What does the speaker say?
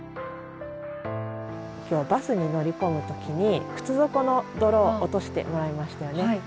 今日バスに乗り込む時に靴底の泥落としてもらいましたよね。